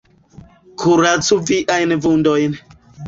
Kuracu viajn vundojn.